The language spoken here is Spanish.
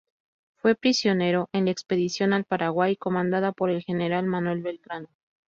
Fue prisionero en la expedición al Paraguay comandada por el General Manuel Belgrano.